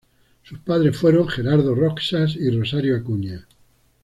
Sus padres fueron Gerardo Roxas y Rosario Acuña.